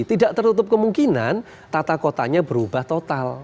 tidak tertutup kemungkinan tata kotanya berubah total